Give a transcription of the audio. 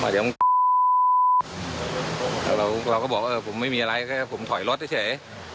เดี๋ยวมึงแล้วเราก็บอกผมไม่มีอะไรผมถอยรถเฉย